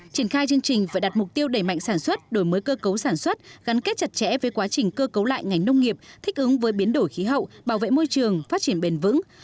triển khai chương trình phải đặt mục tiêu đẩy mạnh sản xuất đổi mới cơ cấu sản xuất gắn kết chặt chẽ với quá trình cơ cấu lại ngành nông nghiệp thích ứng với biến đổi khí hậu bảo vệ môi trường phát triển bền vững